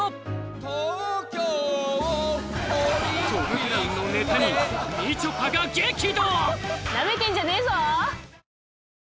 東京トム・ブラウンのネタにみちょぱが激怒！